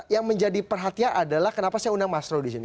yang menjadi perhatian adalah kenapa saya undang mas roy di sini